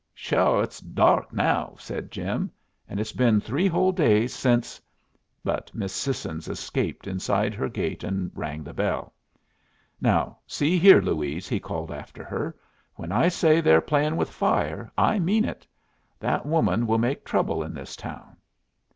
"Sho! It's dark now," said Jim. "And it's been three whole days since " But Miss Sissons escaped inside her gate and rang the bell. "Now see here, Louise," he called after her, "when I say they're playing with fire I mean it. That woman will make trouble in this town."